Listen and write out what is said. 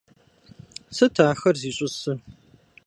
Сыт ахэр зищӀысыр?